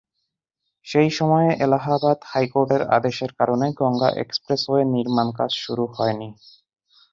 সেই সময়ে এলাহাবাদ হাইকোর্টের আদেশের কারণে গঙ্গা এক্সপ্রেসওয়ের নির্মাণ কাজ শুরু হয়নি।